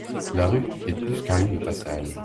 La rue est plus qu’un lieu de passage.